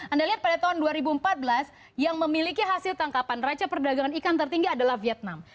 anda lihat pada tahun dua ribu empat belas yang memiliki hasil tangkapan raca perdagangan ikan tertinggi adalah vietnam